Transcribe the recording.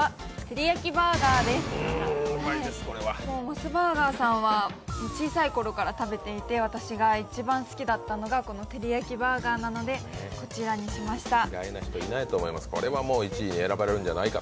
モスバーガーさんは小さいころから食べていて私が一番好きだったのがテリヤキバーガーなのでこちらにしました。